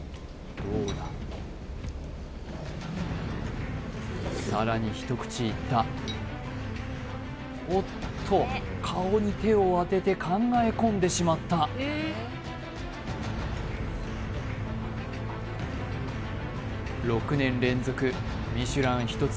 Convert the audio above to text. どうださらに一口いったおっと顔に手を当てて考え込んでしまった６年連続ミシュラン一つ